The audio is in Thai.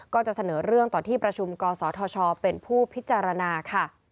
ก็จะเสนอเรื่องต่อที่ประชุมกศธชเป็นผู้พิจารณาค่ะ